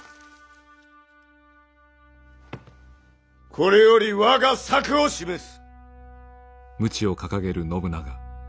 これより我が策を示す。